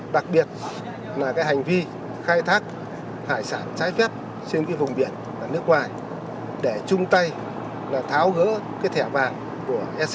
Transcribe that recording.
đặc biệt là hành vi khai thác hải sản trái phép